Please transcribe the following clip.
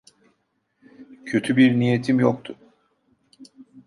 Kötü bir niyetim yoktu.